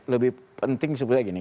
lebih penting sebenarnya gini